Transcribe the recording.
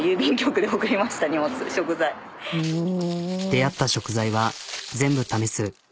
出会った食材は全部試す。